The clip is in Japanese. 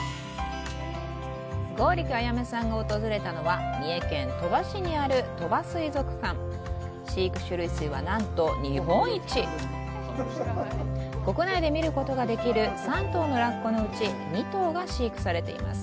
剛力彩芽さんが訪れたのは三重県鳥羽市にある鳥羽水族館飼育種類数はなんと日本一国内で見ることができる３頭のラッコのうち２頭が飼育されています